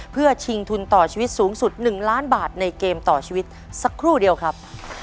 เพื่อชิงทุนต่อชีวิตสูงสุด๑ล้านบาทในเกมต่อชีวิตสักครู่เดียวครับ